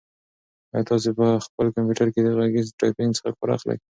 آیا تاسو په خپل کمپیوټر کې د غږیز ټایپنګ څخه کار اخلئ؟